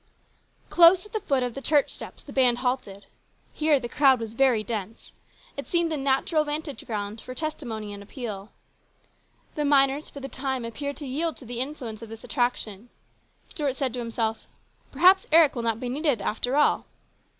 Close at the foot of the church steps the band halted. Here the crowd was very dense. It seemed a natural vantage ground for testimony and appeal. The miners for the time appeared to yield to the influence of this attraction. Stuart said to himself, " Perhaps Eric will not be needed, after all."